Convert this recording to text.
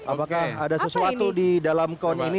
apakah ada sesuatu di dalam kon ini